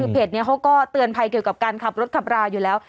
เพจนี้เขาก็เตือนภัยเกี่ยวกับการขับรถขับราอยู่แล้ว